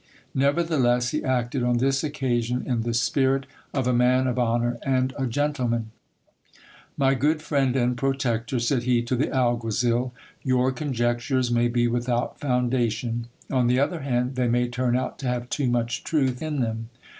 Nevertheless he acted on this occasion in the spirit of a man of honour and a gentleman. My good friend and protector, said he to the alguazil, your conjectures may be without foundation ; on the other hand, they may turn out to have too much truth in them.